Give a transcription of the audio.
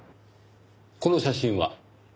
この写真は？